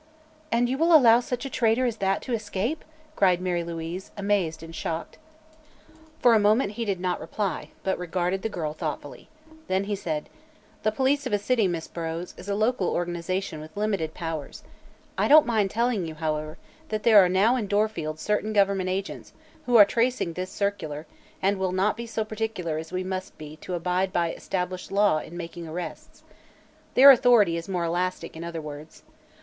"And you will allow such a traitor as that to escape!" cried Mary Louise, amazed and shocked. For a moment he did not reply, but regarded the girl thoughtfully. Then he said: "The police of a city, Miss Burrows, is a local organization with limited powers. I don't mind telling you, however, that there are now in Dorfield certain government agents who are tracing this circular and will not be so particular as we must be to abide by established law in making arrests. Their authority is more elastic, in other words.